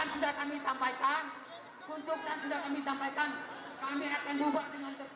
untukkan sudah kami sampaikan kami akan buka dengan tepik